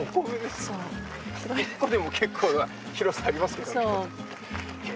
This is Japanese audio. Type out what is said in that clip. １個でも結構な広さありますよね。